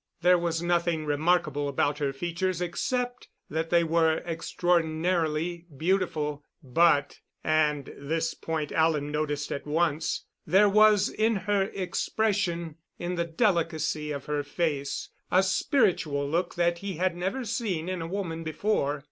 There was nothing remarkable about her features except that they were extraordinarily beautiful. But and this point Alan noticed at once there was in her expression, in the delicacy of her face, a spiritual look that he had never seen in a woman before.